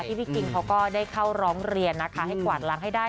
พี่กิงเขาก็ได้เข้าร้องเรียนนะคะให้กวาดล้างให้ได้